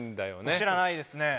知らないですね。